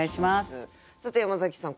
さて山崎さん